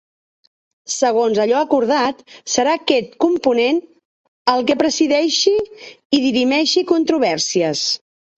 Segons allò acordat, serà “aquest component el que presideixi i dirimeixi controvèrsies”.